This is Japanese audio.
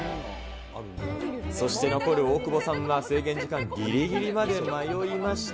そして残る大久保さんは、制限時間ぎりぎりまで迷いまして。